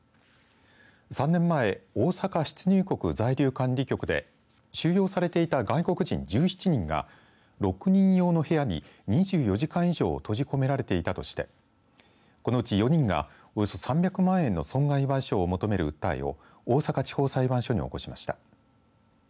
３年前大阪出入国在留管理局で収容されていた外国人１７人が６人用の部屋に２４時間以上閉じ込められていたとしてこのうち４人がおよそ３００万円の損害賠償を求める訴えを大阪地方裁判所に起こしました。